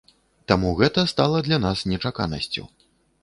Таму гэта стала для нас нечаканасцю.